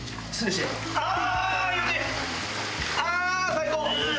最高！